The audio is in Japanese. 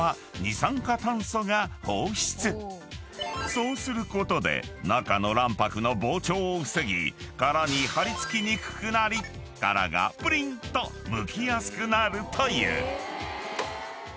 ［そうすることで中の卵白の膨張を防ぎ殻に張り付きにくくなり殻がぷりんとむきやすくなるという］